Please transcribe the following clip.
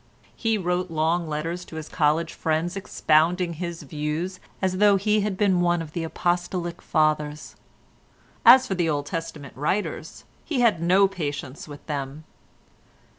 He wrote long letters to his college friends expounding his views as though he had been one of the Apostolic fathers. As for the Old Testament writers, he had no patience with them.